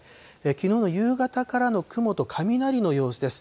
きのうの夕方からの雲と雷の様子です。